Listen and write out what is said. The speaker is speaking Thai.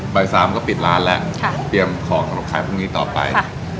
บ่ายสามก็ปิดร้านแหละค่ะเตรียมของของขายพรุ่งนี้ต่อไปค่ะ